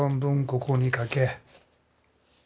ここに書け。